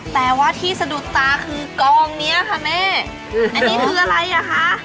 แต่ว่าที่สะดุดตาคือกองเนี้ยค่ะแม่อันนี้คืออะไรอ่ะคะ